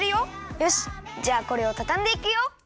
よしじゃあこれをたたんでいくよ。